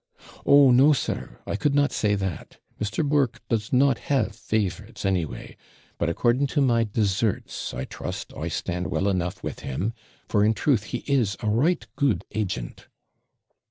'Oh no, sir, I could not say that; Mr. Burke does not have favourites anyway; but according to my deserts, I trust, I stand well enough with him, for, in truth, he is a right good agent.'